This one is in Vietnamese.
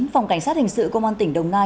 phòng cảnh sát hình sự công an tỉnh đồng nai